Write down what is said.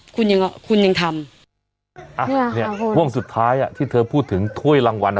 ก็คุณยังทำวงสุดท้ายอ่ะที่เธอพูดถึงถ้วยรางวัลอ่ะ